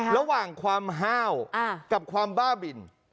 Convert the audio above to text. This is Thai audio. ระหว่างความห้าวกับความบ้าบิน